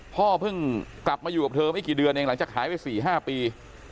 พ่อเพิ่งกลับมาอยู่กับเธอไม่กี่เดือนเองหลังจากหายไป๔๕ปี